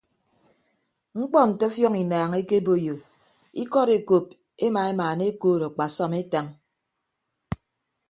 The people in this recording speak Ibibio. Mkpọ nte ọfiọñ inaañ ekeboiyo ikọd ekop ema emaana ekood akpasọm etañ.